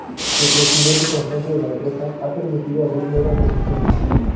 El crecimiento constante de la empresa ha permitido abrir nuevas oficinas.